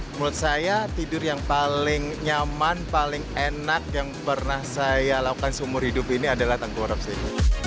menurut saya tidur yang paling nyaman paling enak yang pernah saya lakukan seumur hidup ini adalah tengkurap sini